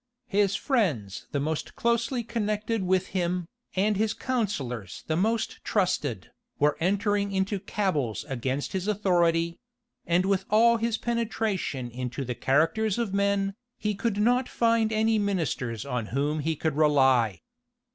His friends the most closely connected with him, and his counsellors the most trusted, were entering into cabals against his authority; and with all his penetration into the characters of men, he could not find any ministers on whom he could rely.